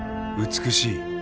美しい。